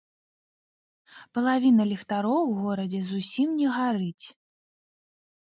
Палавіна ліхтароў у горадзе зусім не гарыць.